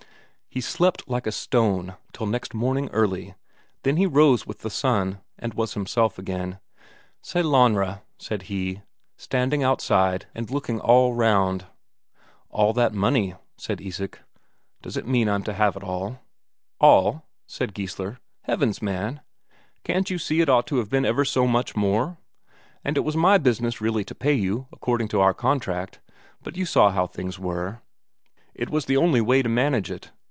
He slept like a stone till next morning early, then he rose with the sun, and was himself again. "Sellanraa," said he, standing outside and looking all round. "All that money," said Isak; "does it mean I'm to have it all?" "All?" said Geissler. "Heavens, man, can't you see it ought to have been ever so much more? And it was my business really to pay you, according to our contract; but you saw how things were it was the only way to manage it.